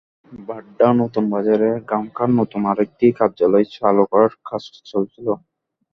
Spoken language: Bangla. বাড্ডা নতুন বাজারে গামকার নতুন আরেকটি কার্যালয় চালু করার কাজ চলছিল।